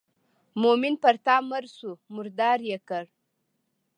مومن پر تا مړ شو مردار یې کړ.